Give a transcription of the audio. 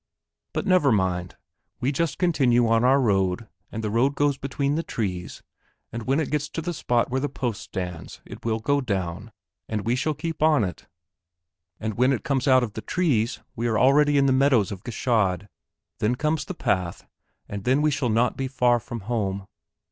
But never mind. We just continue on our road, and the road goes between the trees and when it gets to the spot where the post stands it will go down, and we shall keep on it, and when it comes out of the trees we are already on the meadows of Gschaid, then comes the path, and then we shall not be far from home."